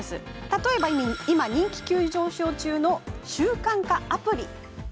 例えば今人気急上昇中の習慣化アプリ。